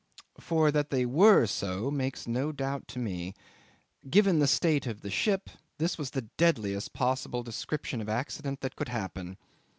For that they were so, makes no doubt to me: given the state of the ship, this was the deadliest possible description of accident that could happen.